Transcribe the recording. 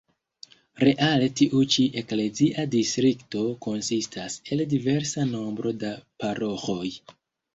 Reale tiu ĉi "eklezia distrikto" konsistas el diversa nombro da paroĥoj.